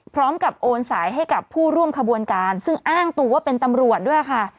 โอนสายให้กับผู้ร่วมขบวนการซึ่งอ้างตัวว่าเป็นตำรวจด้วยค่ะ